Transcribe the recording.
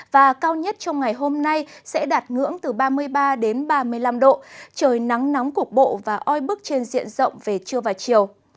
và cao nhất trong ngày hôm nay sẽ đạt ngưỡng từ ba mươi ba đến ba mươi năm độ trời nắng nóng cục bộ và oi bức trên diện rộng về trưa và chiều